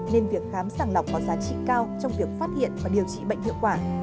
nên việc khám sàng lọc có giá trị cao trong việc phát hiện và điều trị bệnh hiệu quả